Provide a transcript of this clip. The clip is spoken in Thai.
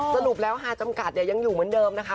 สรุปแล้วฮาจำกัดเนี่ยยังอยู่เหมือนเดิมนะคะ